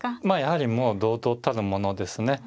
まあやはりもう堂々たるものですね。